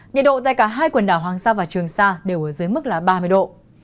nhiệt độ tại cả hai quyền đào hoàng sa và trường sa đều ở dưới mức ba mươi độ